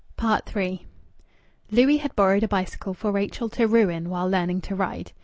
III Louis had borrowed a bicycle for Rachel to ruin while learning to ride.